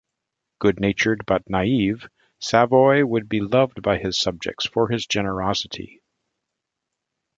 Good-natured but naive, Savoy would be loved by his subjects for his generosity.